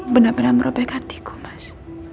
benar benar merobek hatiku mas